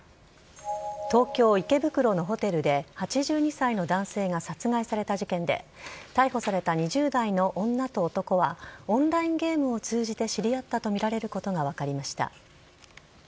東京・池袋のホテルで８２歳の男性が殺害された事件で、逮捕された２０代の女と男は、オンラインゲームを通じて知り合ったと見られることが分かりました。